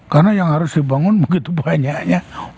karena yang harus dibangun begitu banyaknya